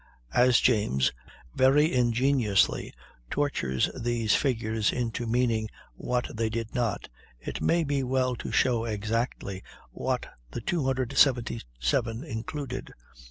As James, very ingeniously, tortures these figures into meaning what they did not, it may be well to show exactly what the 277 included.